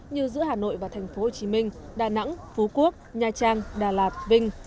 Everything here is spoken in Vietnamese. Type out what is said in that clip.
như giữa hà nội và tp hcm đà nẵng phú quốc nha trang đà lạt vinh